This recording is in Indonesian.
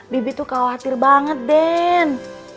bibi tuh khawatir banget den